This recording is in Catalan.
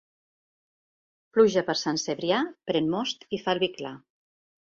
Pluja per Sant Cebrià, pren most i fa el vi clar.